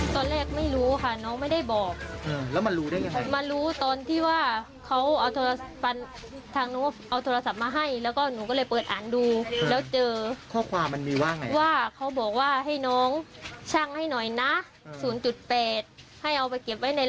ถามจอยจริงเราเป็นพี่เชื่อมั้ย